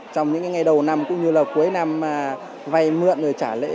trong những ngày đầu năm cũng như là cuối năm vay mượn rồi trả lễ